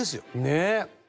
ねっ！